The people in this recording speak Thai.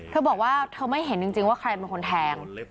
เธอบอกว่าเธอไม่เห็นจริงว่าใครเป็นคนแทง